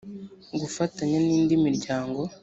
gufatanya n indi miryango